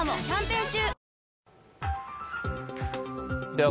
では